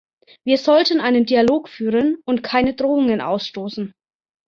Wir sollten einen Dialog führen und keine Drohungen ausstoßen.